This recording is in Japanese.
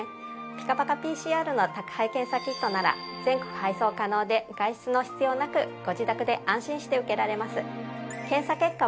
ピカパカＰＣＲの宅配検査キットなら全国配送可能で外出の必要なくご自宅で安心して受けられます。